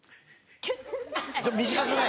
短くない？